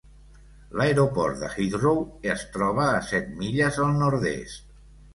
L'aeroport de Heathrow es troba a set milles al nord-est.